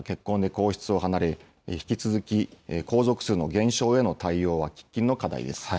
眞子さんが結婚で皇室を離れ、引き続き、皇族数の減少への対応は喫緊の課題です。